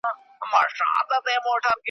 قلم ډک لرم له وینو نظم زما په وینو سور دی .